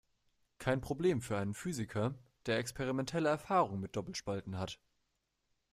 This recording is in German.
Kein Problem für einen Physiker, der experimentelle Erfahrung mit Doppelspalten hat.